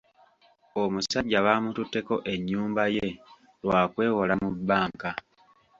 Omusajja baamututteko ennyumba ye lwa kwewola mu bbanka.